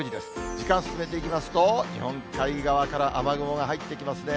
時間進めていきますと、日本海側から雨雲が入ってきますね。